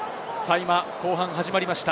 後半始まりました。